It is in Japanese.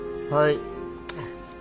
はい。